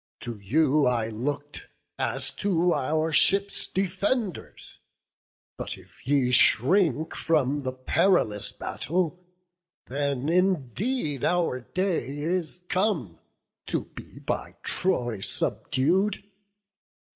to you I look'd As to our ships' defenders; but if ye Shrink from the perilous battle, then indeed Our day is come, to be by Troy subdu'd.